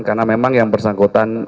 karena memang yang bersangkutan